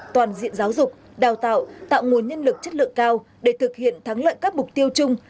toàn diện giáo dục đào tạo tạo nguồn nhân lực chất lượng cao để thực hiện thắng lợi các mục tiêu chung